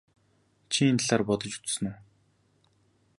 Чи энэ талаар бодож үзсэн үү?